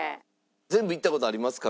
全部行った事ありますか？